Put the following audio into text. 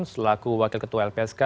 selaku wakil ketua lpsk